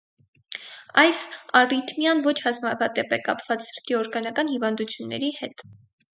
Այս առիթմիան ոչ հազվադեպ է կապված սրտի օրգանական հիվանդությունների հետ։